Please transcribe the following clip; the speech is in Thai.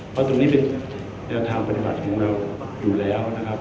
เพราะตรงนี้เป็นแนวทางปฏิบัติของเราอยู่แล้วนะครับ